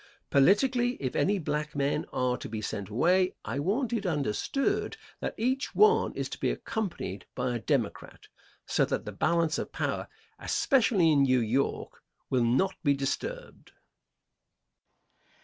Politically, if any black men are to be sent away, I want it understood that each one is to be accompanied by a Democrat, so that the balance of power, especially in New York, will not be disturbed.